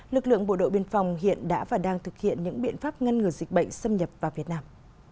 lực lượng bộ đội biên phòng hiện đã và đang thực hiện những biện pháp ngăn ngừa dịch bệnh xâm nhập vào việt nam